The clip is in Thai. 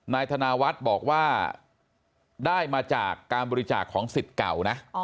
นายธนาวัฒน์บอกว่าได้มาจากการบริจาคของสิทธิ์เก่านะ